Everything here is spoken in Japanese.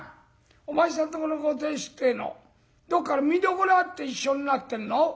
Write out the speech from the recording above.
お前さんとこのご亭主ってえのどっか見どころあって一緒になってんの？」。